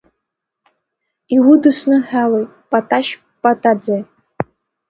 Иудысныҳәалоит Паташь Патаӡе!